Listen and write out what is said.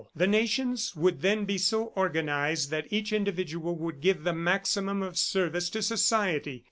The nations would then be so organized that each individual would give the maximum of service to society.